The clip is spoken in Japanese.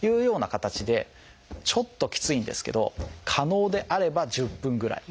ちょっときついんですけど可能であれば１０分ぐらい。